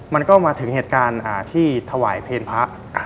มันก็มาถึงเหตุการณ์ที่ถวายเพลงพระ